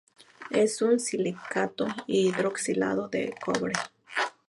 Es un silicato hidroxilado de cobre.